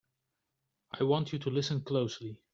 I want you to listen closely!